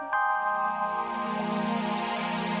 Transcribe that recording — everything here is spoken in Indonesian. saya sudah berhenti